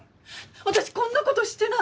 私こんなことしてない！